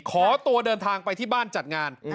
ขอตัวเดินทางไปที่บ้านจัดงาน